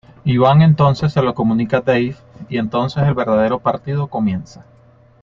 Iván entonces se lo comunica a Dave, y entonces el verdadero partido comienza.